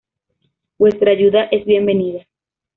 Vuestra ayuda es bienvenida!